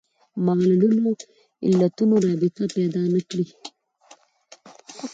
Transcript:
معلولونو علتونو رابطه پیدا نه کړي